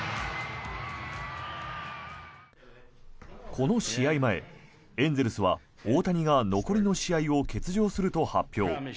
この試合前、エンゼルスは大谷が残りの試合を欠場すると発表。